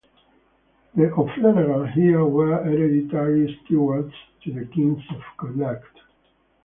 The O'Flanagan here were hereditary stewards to the Kings of Connacht.